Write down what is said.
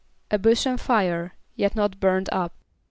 =A bush on fire, yet not burned up.